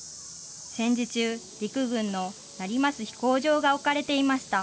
戦時中、陸軍の成増飛行場が置かれていました。